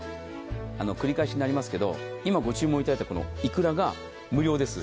繰り返しになりますけど、今ご注文いただいたら、いくらが無料です。